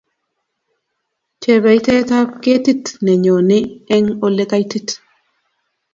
Chepeitet kp ketit ne nyonii eng ole kaitit.